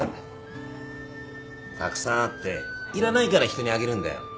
たくさんあっていらないから人にあげるんだよ。